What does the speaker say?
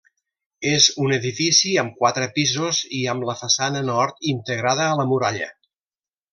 És un edifici amb quatre pisos i amb la façana nord integrada a la muralla.